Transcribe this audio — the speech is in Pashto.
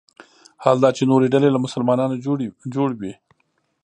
حال دا چې نورې ډلې له مسلمانانو جوړ وي.